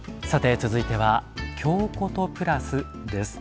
続いては、「京コト＋」です。